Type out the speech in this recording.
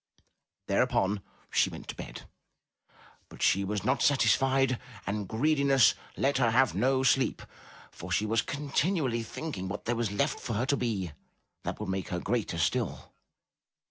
Thereupon she went to bed, but she was not satisfied, and greediness let her have no sleep, for she was con tinually thinking what there was left for her to be that would make her greater still.